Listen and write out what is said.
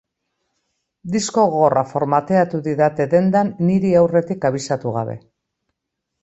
Disko-gogorra formateatu didate dendan niri aurretik abisatu gabe.